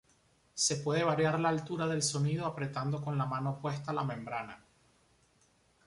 Se puede variar la altura del sonido apretando con la mano opuesta la membrana.